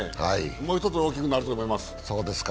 もう一つ大きくなると思います。